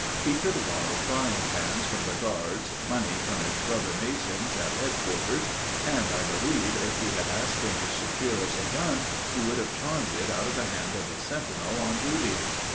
He could borrow frying pans from the guards, money from his brother Masons at headquarters, and I believe if we had asked him to secure us a gun he would have charmed it out of the hand of a sentinel on duty.